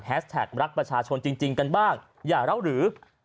แท็กรักประชาชนจริงกันบ้างอย่าเล่าหรือ